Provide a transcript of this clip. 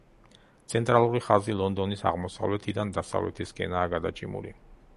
ცენტრალური ხაზი ლონდონის აღმოსავლეთიდან დასავლეთისკენაა გადაჭიმული.